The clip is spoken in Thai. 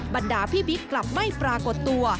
บรรดาพี่บิ๊กกลับไม่ปรากฏตัว